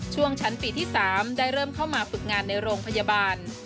ช่วงชั้นปีที่๓ได้เริ่มเข้ามาฝึกงานในโรงพยาบาล